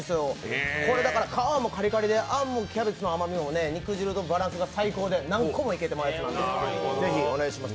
皮もカリカリで、あんもキャベツの甘みも肉汁とのバランスが最高で何個もいけてまいます。